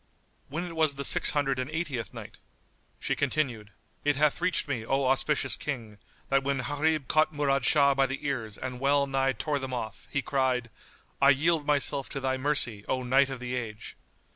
When it was the Six Hundred and Eightieth Night, She continued, It hath reached me, O auspicious King, that when Gharib caught Murad Shah by the ears and well nigh tore them off he cried, "I yield myself to thy mercy, O Knight of the Age!"